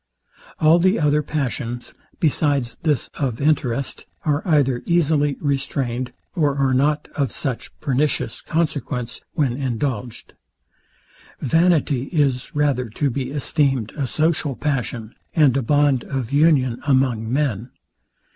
All the other passions, besides this of interest, are either easily restrained, or are not of such pernicious consequence, when indulged. Vanity is rather to be esteemed a social passion, and a bond of union among men.